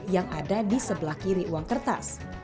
yang ada di sebelah kiri uang kertas